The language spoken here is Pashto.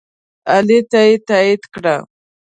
علي ته یې تایید کړه.